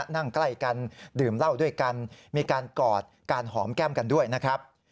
นั่งใกล้กันดื่มเหล้าด้วยกันมีการกอดการหอมแก้มกันด้วยนะครับ